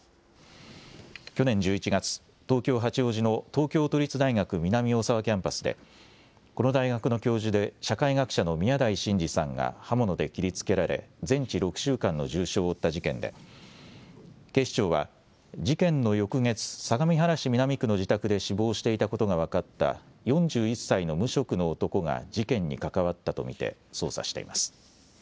去年１１月、東京・八王子の東京都立大学南大沢キャンパスで、この大学の教授で社会学者の宮台真司さんが刃物で切りつけられ、全治６週間の重傷を負った事件で、警視庁は、事件の翌月、相模原市南区の自宅で死亡していたことが分かった４１歳の無職の男が事件に関わったと見て捜査しています。